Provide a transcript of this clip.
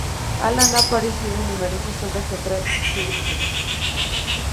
Alan ha aparecido en numerosas obras teatrales y series de televisión.